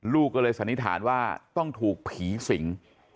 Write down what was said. ลูกก็เลยสันนิษฐานว่าต้องถูกผีสิง